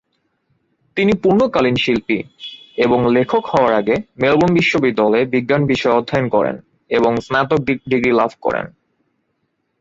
তিনি পূর্ণকালীন শিল্পী এবং লেখক হওয়ার আগে মেলবোর্ন বিশ্ববিদ্যালয়ে বিজ্ঞান বিষয়ে অধ্যয়ন করেন এবং স্নাতক ডিগ্রী লাভ করেন।